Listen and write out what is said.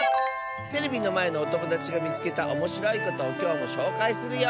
テレビのまえのおともだちがみつけたおもしろいことをきょうもしょうかいするよ！